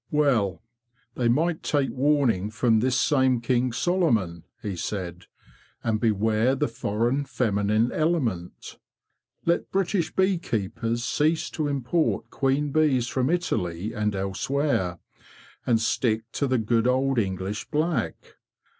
'Well, they might take warning from this same King Solomon,"' he said, '"' and beware the foreign feminine element. Let British bee keepers cease to import queen bees from Italy and elsewhere, and stick to the good old English Black.